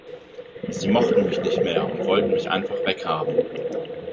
Sie mochten mich nicht mehr und wollten mich einfach weg haben.